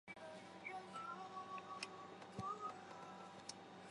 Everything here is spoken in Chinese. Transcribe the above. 这机构就是现在的公共卫生服务军官团。